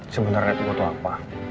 sebenernya gue tau apa